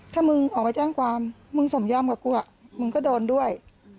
ถ้ามึงออกไปแจ้งความมึงสมยอมกับกูมึงก็โดนด้วย